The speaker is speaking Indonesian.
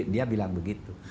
dia bilang begitu